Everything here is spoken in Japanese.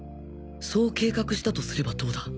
そう計画したとすればどうだ。